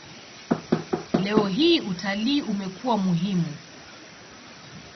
Leo hii utalii umekuwa muhimu.